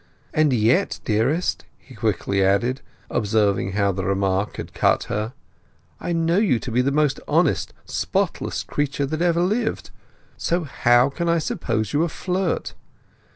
And yet, dearest," he quickly added, observing how the remark had cut her, "I know you to be the most honest, spotless creature that ever lived. So how can I suppose you a flirt?